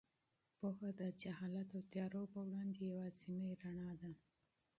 پوهه د جهالت او تیارو په وړاندې یوازینۍ رڼا ده.